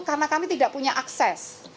karena kami tidak punya akses